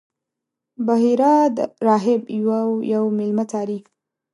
بحیرا راهب یو یو میلمه څاري.